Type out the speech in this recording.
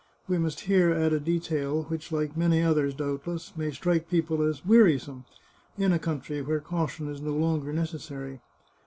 We must here add a detail, which, like many others, doubtless, may strike people as wearisome, in a country where caution is no longer necessary.